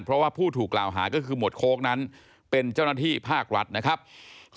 เพราะว่าผู้ถูกกล่าวหาก็คือหมดโคตรนั้นเป็นเจ้านัทธิภาครัดส่วนผู้บังคับการ